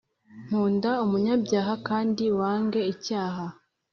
kunda umunyabyaha kandi wange icyaha.